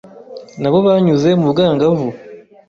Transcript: Na bo banyuze mu bwangavu,